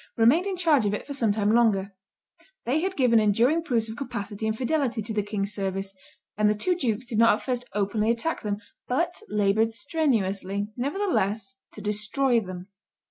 remained in charge of it for some time longer; they had given enduring proofs of capacity and fidelity to the king's service; and the two dukes did not at first openly attack them, but labored strenuously, nevertheless, to destroy them.